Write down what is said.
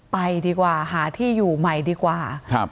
ไปดีกว่าหาที่อยู่ใหม่ดีกว่า